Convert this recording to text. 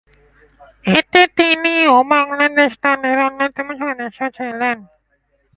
এতে তিনিও বাংলাদেশ দলের অন্যতম সদস্য ছিলেন।